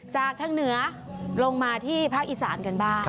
จากทางเหนือลงมาที่ภาคอีสานกันบ้าง